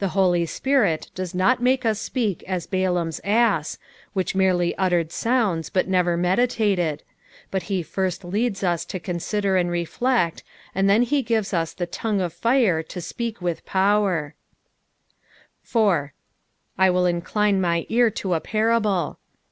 The Hoi; Spirit does not make us apeak as Balaam's ass, which merely uttered souuds, but never meditated ; but be first leads us to consider and reflect, and then he ^ves us the tongue of fire to speak with 4. " I wiU indinemine ear to a parable.''''